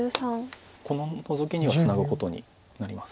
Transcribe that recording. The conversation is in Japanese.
このノゾキにはツナぐことになります。